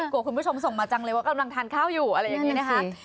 คุณผู้ชมส่งมาจังเลยว่ากำลังทานข้าวอยู่อะไรอย่างนี้นะคะ